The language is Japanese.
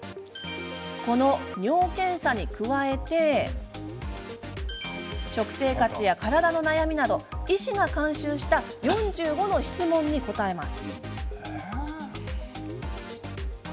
尿検査に加えて、食生活や体の悩みなど、医師が監修した４５の質問に答えます。